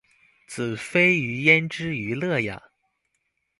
子非魚焉知魚樂呀